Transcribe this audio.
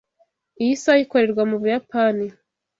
Iyi saha ikorerwa mu Buyapani.